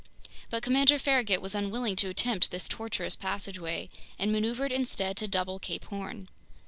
But Commander Farragut was unwilling to attempt this tortuous passageway and maneuvered instead to double Cape Horn.